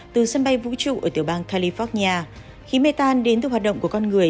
từ sân bay vũ trụ ở tiểu bang california khí metan đến từ hoạt động của con người